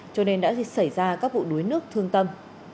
cho nên đã xảy ra các vụ đuối nước thương tâm